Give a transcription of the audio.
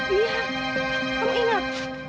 iya kamu ingat